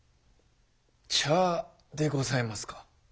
茶でございますか？